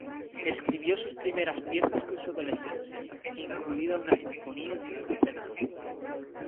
Escribió sus primeras piezas en su adolescencia, incluida una sinfonía nunca estrenada.